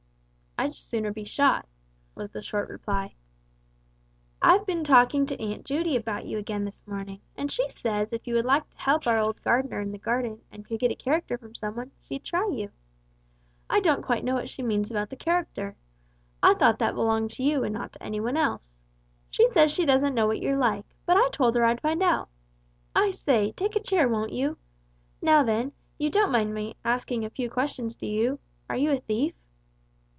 "I'd sooner be shot," was the short reply. "I've been talking to Aunt Judy about you again this morning, and she says if you would like to help our old gardener in the garden and could get a character from some one, she'd try you. I don't quite know what she means about the character. I thought that belonged to you and not to any one else. She says she doesn't know what you're like, but I told her I'd find out. I say, take a chair, won't you. Now then, you don't mind my asking you a few questions, do you? Are you a thief?"